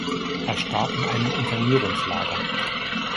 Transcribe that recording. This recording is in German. Er starb in einem Internierungslager.